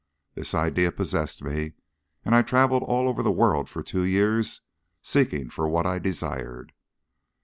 This idea possessed me, and I travelled over the world for two years seeking for what I desired.